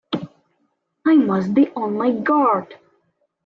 I must be on my guard!